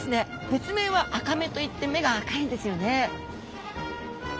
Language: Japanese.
別名はあかめといって目が赤いんですよね。